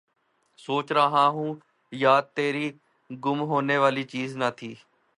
سوچ رہا ہوں یاد تیری، گم ہونے والی چیز نہ تھی